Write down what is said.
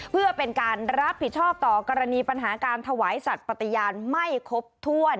เพื่อเป็นการรับผิดชอบต่อกรณีปัญหาการถวายสัตว์ปฏิญาณไม่ครบถ้วน